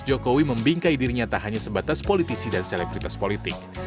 jokowi membingkai dirinya tak hanya sebatas politisi dan selebritas politik